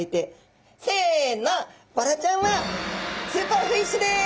せのボラちゃんはスーパーフィッシュです！